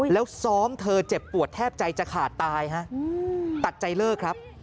แล้วซ้อมเธอเจ็บปวดแทบใจจะขาดตายฮะตัดใจเลิกครับ